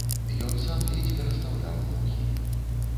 Ён сам ледзь перастаўляў ногі.